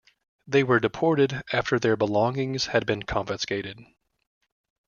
They were deported after their belongings had been confiscated.